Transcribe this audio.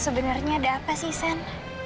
sebenernya ada apa sih sam